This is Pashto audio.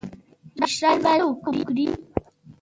مشران باید څه وکړي؟